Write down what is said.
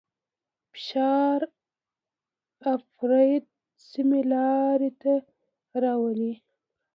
فشار افراد سمې لارې ته راولي.